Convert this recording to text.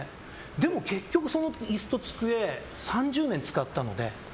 でも結局、その椅子と机３０年使ったので。